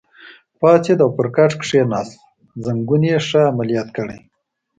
پاڅېد او پر کټ کېناست، زنګون یې ښه عملیات کړی.